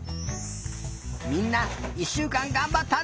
みんな１しゅうかんがんばったね。